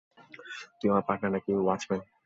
তুই আমার পার্টনার নাকি ওয়াচম্যান?